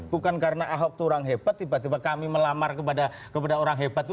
bukan karena ahok itu orang hebat tiba tiba kami melamar kepada orang hebat itu